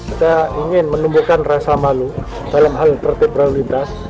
kita ingin menumbuhkan rasa malu dalam hal tertib lalu lintas